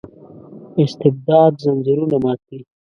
استبداد ځنځیرونه مات کړي.